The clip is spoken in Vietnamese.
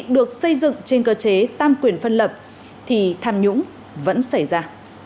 được xây dựng trên cơ chế tam quyền phân lập thì tham nhũng vẫn xảy ra